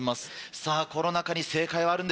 さぁこの中に正解はあるんでしょうか？